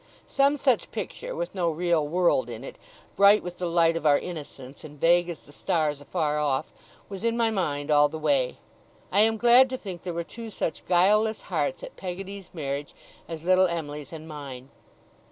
Some such picture, with no real world in it, bright with the light of our innocence, and vague as the stars afar off, was in my mind all the way. I am glad to think there were two such guileless hearts at Peggotty's marriage as little Em'ly's and mine.